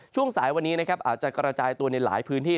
ช่วงสายวันนี้นะครับอาจจะกระจายตัวในหลายพื้นที่